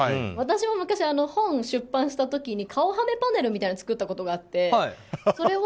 私も昔、本を出版した時に顔はめパネルみたいなのを作ったことがあって。